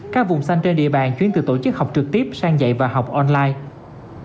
các vùng xanh trên địa bàn chuyển từ tổ chức học trực tiếp sang dạy và học online